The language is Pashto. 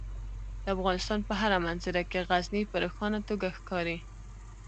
د افغانستان په هره منظره کې غزني په روښانه توګه ښکاري.